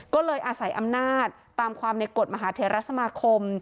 ก็เลยอาศัยอำนาจตามความในกฎมหาเทรสมาคม